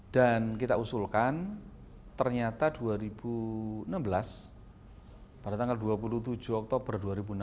kita usulkan ternyata dua ribu enam belas pada tanggal dua puluh tujuh oktober dua ribu enam belas